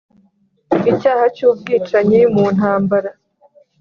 icyaha cy'ubwicanyi mu ntambara